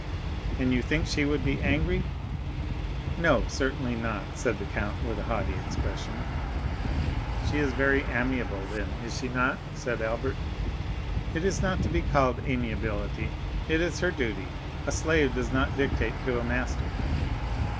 "And you think she would be angry?" "No, certainly not," said the count with a haughty expression. "She is very amiable, then, is she not?" said Albert. "It is not to be called amiability, it is her duty; a slave does not dictate to a master."